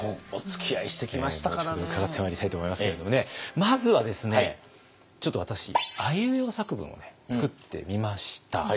後ほど伺ってまいりたいと思いますけれどもねまずはですねちょっと私あいうえお作文を作ってみました。